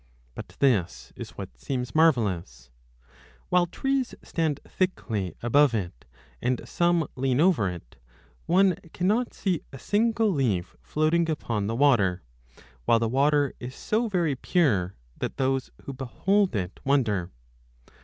But this is what seems marvellous : while trees stand thickly above it, and some lean over it, one 20 cannot see a single leaf floating upon the water, while the water is so very pure that those who behold it wonder.